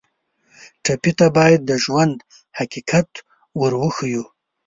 ټپي ته باید د ژوند حقیقت ور وښیو.